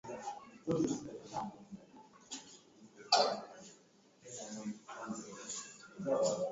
taifa ndlf imeweka bayana